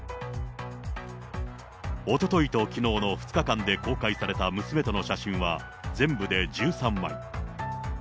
おとといときのうの２日間で公開された娘との写真は全部で１３枚。